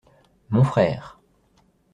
Mon frère.